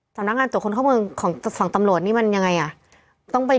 จำน้างงานต่อคนเข้าเมืองของฝั่งตำรวจนี่มันยังไง